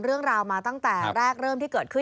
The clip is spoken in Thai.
เรื่องราวมาตั้งแต่แรกเริ่มที่เกิดขึ้น